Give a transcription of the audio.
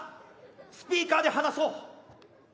スピーカーで話そう。